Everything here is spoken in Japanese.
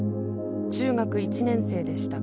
中学１年生でした。